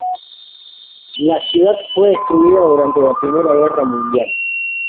La ciudad fue destruida durante la Primera Guerra Mundial.